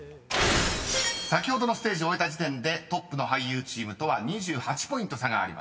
［先ほどのステージ終えた時点でトップの俳優チームとは２８ポイント差がありました］